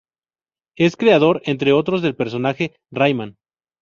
Es creador, entre otros, del personaje Rayman.